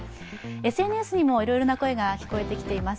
ＳＮＳにもいろいろな声が聞こえてきています。